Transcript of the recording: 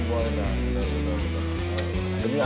ush boleh gak